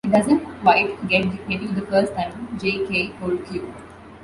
"It doesn't quite get you the first time," Jay Kay told "Q".